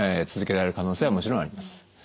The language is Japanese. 続けられる可能性はもちろんあります。